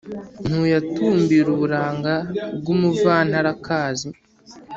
ntuyatumbira uburanga bw’umuvantarakazi;